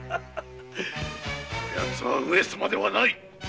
こやつは上様ではない！